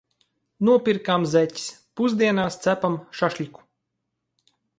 Nopirkām zeķes. Pusdienās cepam šašliku.